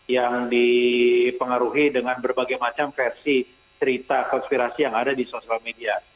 yang dipengaruhi dengan berbagai macam versi cerita konspirasi yang ada di sosial media